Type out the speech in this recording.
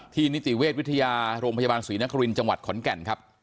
ที่นิติเวทย์วิทยาโรงพยาบาลศรีนักกริณจังหวัดขอนแก่นครับ